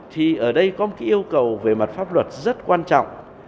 thì ở đây có một cái yêu cầu về mặt pháp luật rất quan trọng